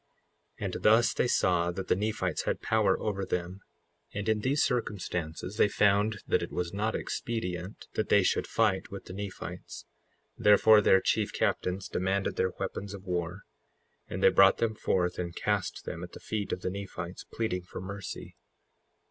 55:23 And thus they saw that the Nephites had power over them; and in these circumstances they found that it was not expedient that they should fight with the Nephites; therefore their chief captains demanded their weapons of war, and they brought them forth and cast them at the feet of the Nephites, pleading for mercy.